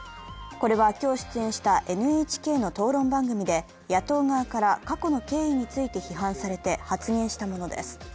これは今日出演したＮＨＫの討論番組で野党側から過去の経緯について批判されて発言したものです。